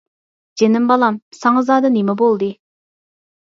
جېنىم بالام، ساڭا زادى نېمە بولدى؟